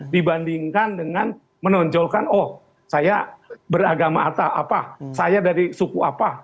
dibandingkan dengan menonjolkan oh saya beragama atau apa saya dari suku apa